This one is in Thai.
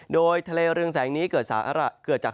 โดยทะเลเรืองแสงนี้เกิดจาก